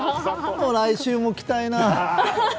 来週も着たいな。